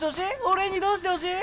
俺にどうしてほしい？